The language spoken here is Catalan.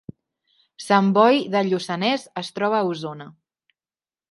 Sant Boi de Lluçanès es troba a Osona